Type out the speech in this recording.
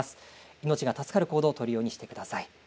命が助かる行動を取るようにしてください。